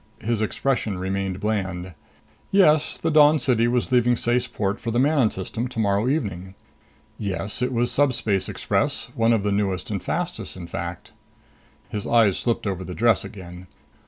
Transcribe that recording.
His expression remained bland. Yes, the Dawn City was leaving Ceyce Port for the Manon System tomorrow evening. Yes, it was subspace express one of the newest and fastest, in fact. His eyes slipped over the dress again.